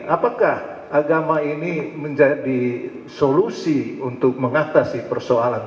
apakah agama ini menjadi solusi untuk mengatasi persoalan